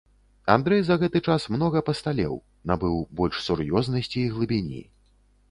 Андрэй за гэты час многа пасталеў, набыў больш сур'ёзнасці і глыбіні.